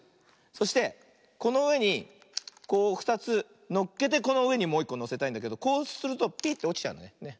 そしてこのうえにこう２つのっけてこのうえにもういっこのせたいんだけどこうするとピッておちちゃうんだよね。